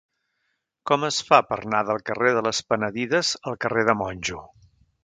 Com es fa per anar del carrer de les Penedides al carrer de Monjo?